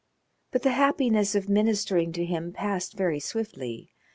But the happiness of ministering to him passed very swiftly.